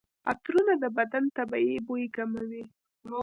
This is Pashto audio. عطرونه د بدن طبیعي بوی کموي.